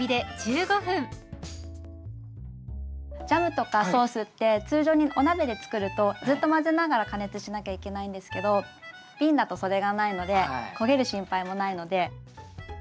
ジャムとかソースって通常にお鍋で作るとずっと混ぜながら加熱しなきゃいけないんですけどびんだとそれがないので焦げる心配もないので。